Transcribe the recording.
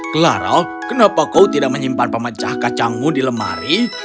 clara kenapa kau tidak menyimpan pemecah kacangmu di lemari